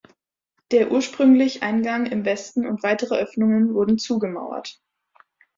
Der ursprünglich Eingang im Westen und weitere Öffnungen wurden zugemauert.